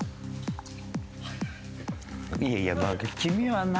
いやいや君はな。